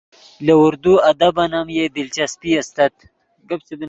لے اردو ادبن ام یئے دلچسپی استت